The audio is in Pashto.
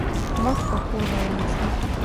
مخ په کور روان شوم.